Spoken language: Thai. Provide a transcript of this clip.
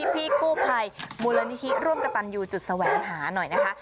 พี่กู้ภัยมูลนิธิร่วมกระตันยูจุดแสวงหาหน่อยนะคะ